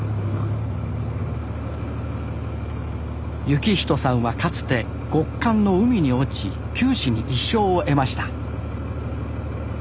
幸人さんはかつて極寒の海に落ち九死に一生を得ました